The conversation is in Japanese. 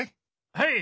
はい。